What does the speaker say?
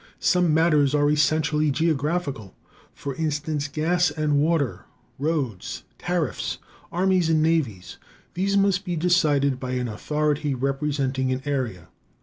Some matters are essentially geographical; for instance, gas and water, roads, tariffs, armies and navies. These must be decided by an authority representing an area.